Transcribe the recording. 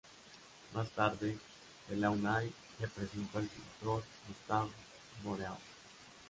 Más tarde, Delaunay le presentó al pintor Gustave Moreau.